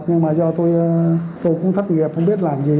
nhưng mà do tôi cũng thấp nghiệp không biết làm gì